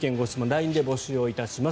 ＬＩＮＥで募集いたします。